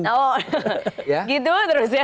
oh gitu terus ya